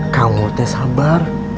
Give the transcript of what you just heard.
kamu teh sabar